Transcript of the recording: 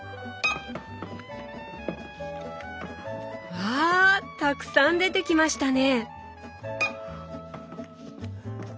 わたくさん出てきましたね！